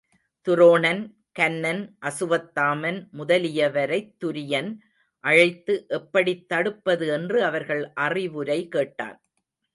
துரோணன், கன்னன், அசுவத்தாமன் முதலியவரைத் துரியன் அழைத்து எப்படித் தடுப்பது என்று அவர்கள் அறிவுரை கேட்டான்.